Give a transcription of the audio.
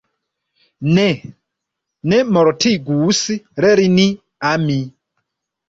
Ne, ne mortigus, lerni ami.